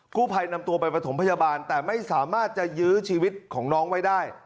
กู้ภัยนำตัวไปประถมพยาบาลแต่ไม่สามารถจะยื้อชีวิตของน้องไว้ได้